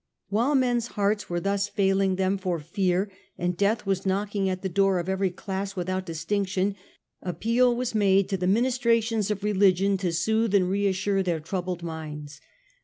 While men's hearts were thus failing them for fear, and death was knocking at the door of every class without distinction, appeal was made to the ministrations of religion to soothe and reassure their troubled minds.